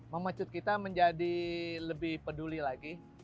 memecut kita menjadi lebih peduli lagi